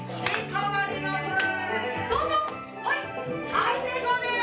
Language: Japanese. はい成功でーす。